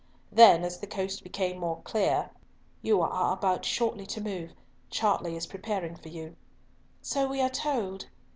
Then, as the coast became more clear, "You are about shortly to move. Chartley is preparing for you." "So we are told."